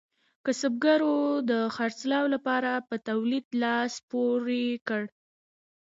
کسبګرو د خرڅلاو لپاره په تولید لاس پورې کړ.